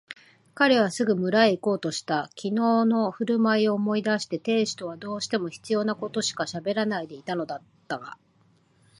彼はすぐ村へいこうとした。きのうのふるまいを思い出して亭主とはどうしても必要なことしかしゃべらないでいたのだったが、